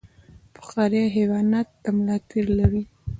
فقاریه حیوانات د ملا تیر لري